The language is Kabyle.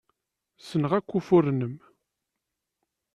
Ssneɣ akk ufuren-nnem.